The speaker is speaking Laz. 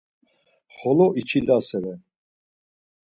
Xolo içilasere.